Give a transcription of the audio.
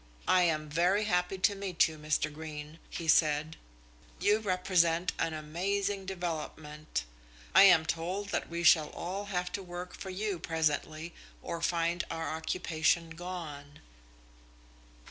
"I am very happy to meet you, Mr. Greene," he said. "You represent an amazing development. I am told that we shall all have to work for you presently or find our occupation gone."